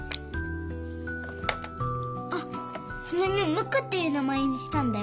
あっその犬ムックっていう名前にしたんだよ。